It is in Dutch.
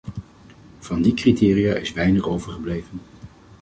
Van die criteria is weinig overgebleven.